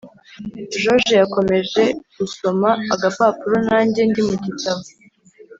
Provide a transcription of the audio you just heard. george yakomeje gusoma agapapuro najye ndimugitabo,